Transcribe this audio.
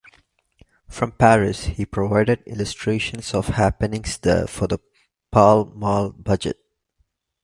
From Paris he provided illustrations of happenings there for the "Pall Mall Budget".